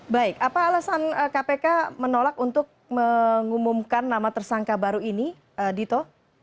baik apa alasan kpk menolak untuk mengumumkan nama tersangka baru ini dito